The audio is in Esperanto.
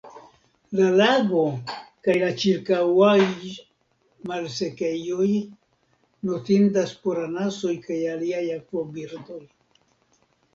La lago kaj la ĉirkaŭaj malsekejoj notindas por anasoj kaj aliaj akvobirdoj.